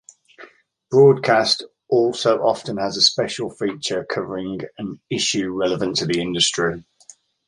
"Broadcast" also often has a special feature covering an issue relevant to the industry.